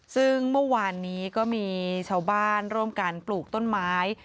ซึ่งเมื่อวานนี้ก็มีชาวบ้านร่วมกันปลูกต้นไม้